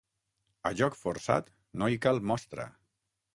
A joc forçat, no hi cal mostra.